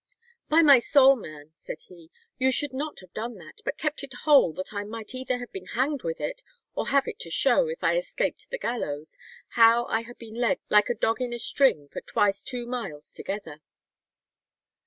'By my soul, man,' said he, 'you should not have done that, but kept it whole that I might either have been hanged with it, or have it to show, if I escaped the gallows, how I had been led like a dog in a string for twice two miles together.'